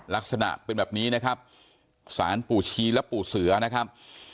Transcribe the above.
ลักษณะเป็นแบบนี้นะครับสารปู่ชีและปู่เสือนะครับ